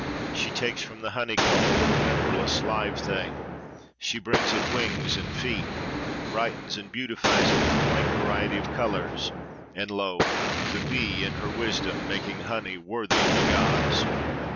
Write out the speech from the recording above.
She takes from the honeycomb a little memberless live thing; she brings it wings and feet, brightens and beautifies it with quaint variety of colour:—and Lo! the bee in her wisdom, making honey worthy of the gods.